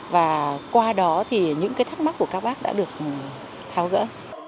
và qua đó thì những cái thắc mắc của các bác đã được tháo gỡ